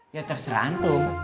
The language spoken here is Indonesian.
ya cek serantum